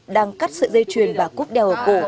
đang cắt sợi dây của bà